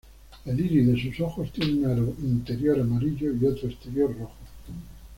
El iris de sus ojos tiene un aro interior amarillo y otro exterior rojo.